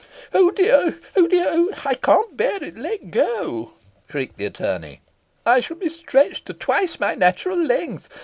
"Oh, dear! oh, dear! I can't bear it let go!" shrieked the attorney. "I shall be stretched to twice my natural length.